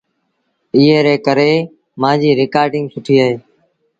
ايئي ري ڪري مآݩجيٚ رآئيٽيٚنگ سُٺيٚ اهي۔